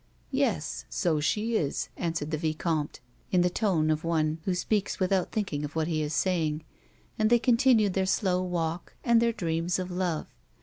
"Yes, so she is," answered the vicomte in the tone of one who speaks without thinking of what he is saying ; and they continued their slow walk and their dreams of love.